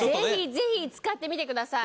ぜひ使ってみてください。